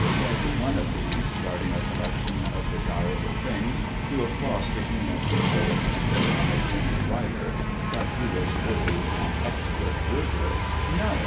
Said one of these, guarding a collec tion of desirable things, to a cross between a sick bay attendant and a junior writer (but he was really an expert burglar), "No!